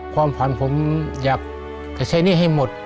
ความฝันผมอยากจะใช้หนี้ให้หมด